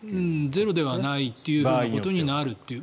ゼロではないということになるという。